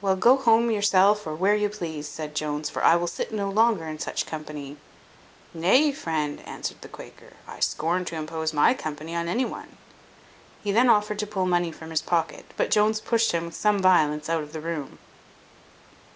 "Well, go home yourself, or where you please," said Jones, "for I will sit no longer in such company." "Nay, friend," answered the Quaker, "I scorn to impose my company on any one." He then offered to pull money from his pocket, but Jones pushed him with some violence out of the room.